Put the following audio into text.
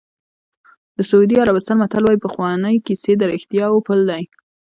د سعودي عربستان متل وایي پخوانۍ کیسې د رښتیاوو پل دی.